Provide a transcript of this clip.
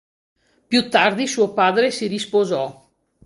Più tardi suo padre si risposò.